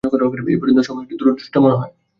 এই পর্যন্ত সবই দুরদৃষ্ট মনে হয়।